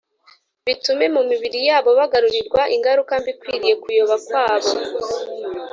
bituma mu mibiri yabo bagarurirwa ingaruka mbi ikwiriye kuyoba kwabo.